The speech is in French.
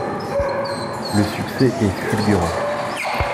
Le succès est fulgurant...